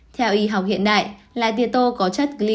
theo y học hiện đại lá tiết tô có chất glucosid